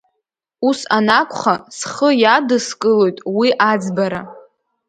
Ус анакәха, схы иадыскылоит уи аӡбара…